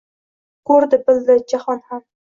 Ko’rdi, bildi jahon ham.